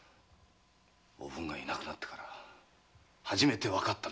おぶんがいなくなってから初めてわかったんです。